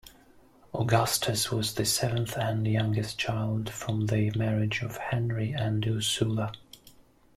Augustus was the seventh and youngest child from the marriage of Henry and Ursula.